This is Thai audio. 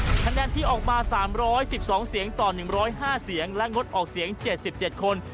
คะแนนที่ออกมา๓๑๒เสียงต่อ๑๐๕เสียงและงดออกเสียง๗๗คน